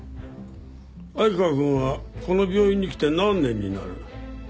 愛川くんはこの病院に来て何年になる？